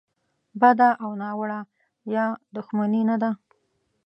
بده او ناوړه یا دوښمني نه ده.